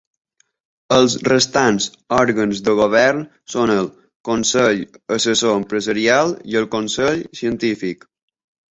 Els restants òrgans de govern són el Consell Assessor Empresarial i el Consell Científic.